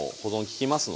できます。